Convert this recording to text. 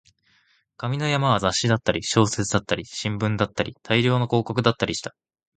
紙の山は雑誌だったり、小説だったり、新聞だったり、大量の広告だったりした